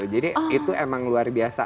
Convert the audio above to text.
jadi itu emang luar biasa